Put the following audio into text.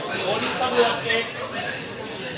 สวัสดีครับสวัสดีครับ